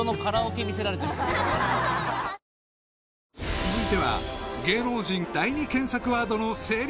［続いては］